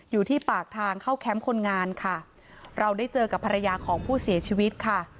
อยู่ที่ปากทางเข้าแคมป์คนงานค่ะเราได้เจอกับภรรยาของผู้เสียชีวิตค่ะ